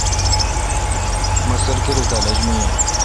می سرکیری کالج می این۔